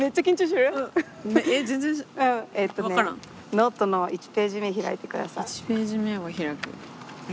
ノートの１ページ目開いて下さい。